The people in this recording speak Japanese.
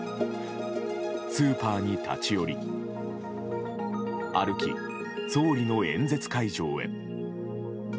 スーパーに立ち寄り、歩き総理の演説会場へ。